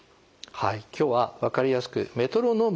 はい。